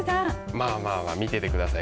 まあまあまあ見ててください。